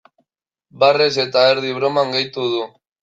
Barrez eta erdi broman gehitu du.